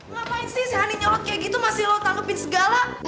ngapain sih si hani nyolot kayak gitu masih lo tanggepin segala